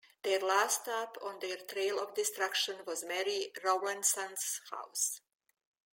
Their last stop on their trail of destruction was Mary Rowlandson's house.